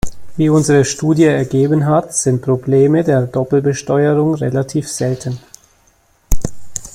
Wie unsere Studie ergeben hat, sind die Probleme der Doppelbesteuerung relativ selten.